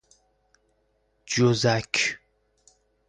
جزک